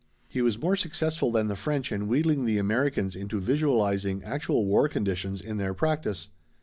He was more successful than the French in wheedling the Americans into visualizing actual war conditions in their practice.